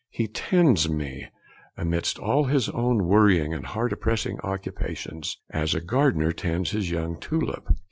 He tends me, amidst all his own worrying and heart oppressing occupations, as a gardener tends his young tulip....